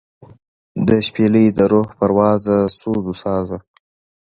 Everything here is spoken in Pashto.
دشپیلۍ دروح پروازه سوزوسازه